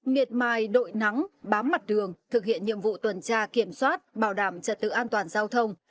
miệt mài đội nắng bám mặt đường thực hiện nhiệm vụ tuần tra kiểm soát bảo đảm trật tự an toàn giao thông